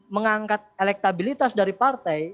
mengangkat elektabilitas dari partai